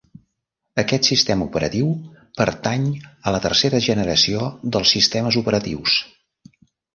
Aquest sistema operatiu pertany a la tercera generació dels sistemes operatius.